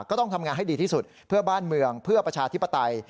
ก็ต้องทำงานให้ดีที่สุดเพื่อบ้านเมืองเพื่อประชาธิปไตย